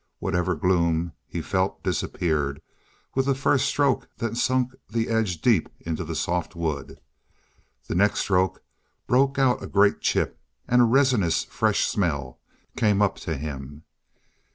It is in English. Whatever gloom he felt disappeared with the first stroke that sunk the edge deep into the soft wood. The next stroke broke out a great chip, and a resinous, fresh smell came up to him.